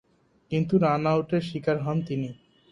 কিন্তু রান-আউটের শিকার হন তিনি।